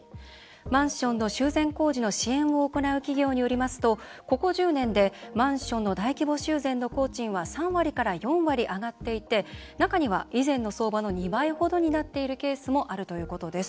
マンションの修繕工事の支援を行う企業によりますとここ１０年でマンションの大規模修繕の工賃は３４割、上がっていて中には以前の相場の２倍ほどになっているケースもあるということです。